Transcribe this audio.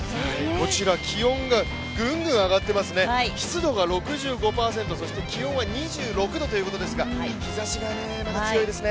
こちら気温がぐんぐん上がってますね、湿度が６５％そして気温は２６度ということですから、日差しが、強いですね。